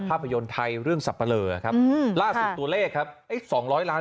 ภาพยนตร์ไทยเรื่องสับปะเลอครับล่าสุดตัวเลขครับไอ้สองร้อยล้าน